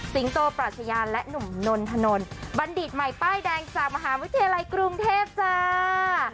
โตปรัชญาและหนุ่มนนทนนบัณฑิตใหม่ป้ายแดงจากมหาวิทยาลัยกรุงเทพจ้า